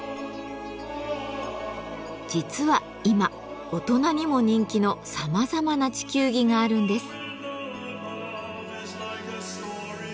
実は今大人にも人気のさまざまな地球儀があるんです。